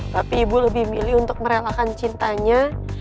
tapi ibu lebih milih untuk merelakan cintanya